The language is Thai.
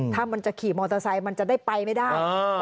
ถ้ามันจะขี่มอเตอร์ไซค์มันจะได้ไปไม่ได้